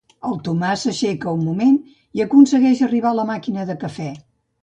El Tomàs s'aixeca un moment i aconsegueix arribar a la màquina de cafè.